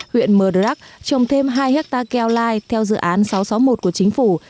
huyện madurak trồng thêm hai hectare keo lai theo dự án sáu trăm sáu mươi một của chính phủ